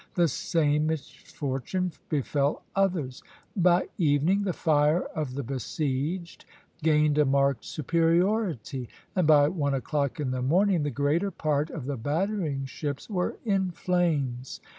The same misfortune befell others; by evening, the fire of the besieged gained a marked superiority, and by one o'clock in the morning the greater part of the battering ships were in flames.